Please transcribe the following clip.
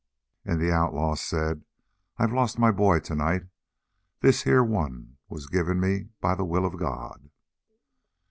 And the outlaw said: "I've lost my boy tonight. This here one was given me by the will of God."